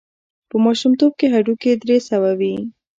په ماشومتوب هډوکي درې سوه وي.